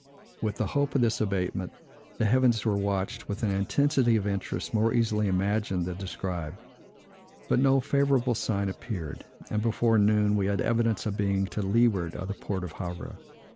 With the hope of this abatement, the heavens were watched with an intensity of interest more easily imagined than described; but no favorable sign appeared; and before noon we had evidence of being to leeward of the port of Havre.